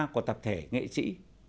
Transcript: của tập thể nghệ sĩ